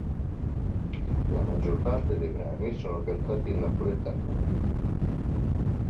La maggior parte dei brani sono cantati in napoletano.